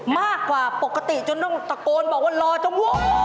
มากกว่าปกติจนต้องตะโกนบอกว่ารอจังหวะ